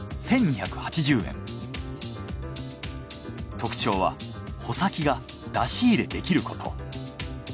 特徴は穂先が出し入れできること。